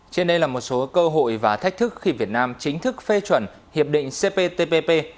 trên đây là một số cơ hội và thách thức khi việt nam chính thức phê chuẩn hiệp định cptpp